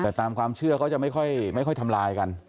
แต่ตามความเชื่อเขาจะไม่ค่อยทำลายกัน